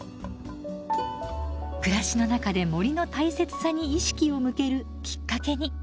暮らしの中で森の大切さに意識を向けるきっかけに。